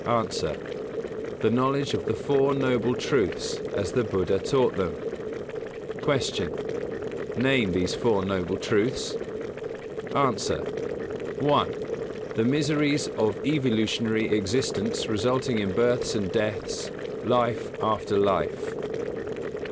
_ A. The knowledge of the "Four Noble Truths," as the Buddha called them. 121. Q. Name these Four Noble Truths? A. 1. The miseries of evolutionary existence resulting in births and deaths, life after life.